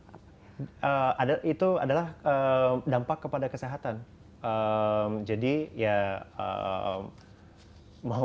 indonesia juga bisa digunakan bagi semua orang itu ada itu adalah dampak kepada kesehatan jadi ya mau